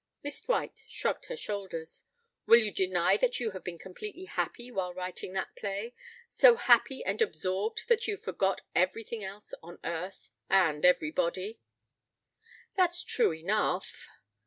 Miss Dwight shrugged her shoulders. "Will you deny that you have been completely happy while writing that play? So happy and absorbed that you forgot everything else on earth and everybody?" "That's true enough.